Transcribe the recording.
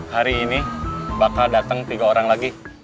hari ini bakal datang tiga orang lagi